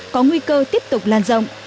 có nguy cơ tiếp tục lan rộng